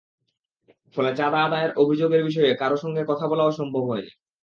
ফলে চাঁদা আদায়ের অভিযোগের বিষয়ে কারও সঙ্গে কথা বলাও সম্ভব হয়নি।